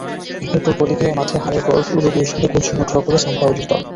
এরপর বলিভিয়ার মাঠে হারের পর উরুগুয়ের সঙ্গে গোলশূন্য ড্র করে সাম্পাওলির দল।